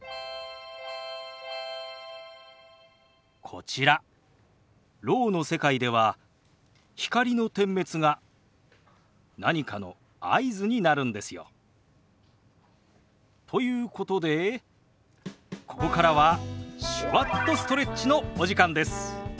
こちらろうの世界では光の点滅が何かの合図になるんですよ。ということでここからは「手話っとストレッチ」のお時間です。